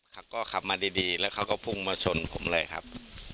เขาก็ขับมาดีแล้วเขาก็พุ่งมาชนผมเลยครับ